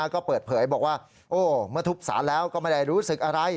ก็เปิดเผยบอกว่าโอ้เมื่อทุบสารแล้วก็ไม่ได้รู้สึกอะไร